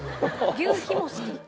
求肥も好き？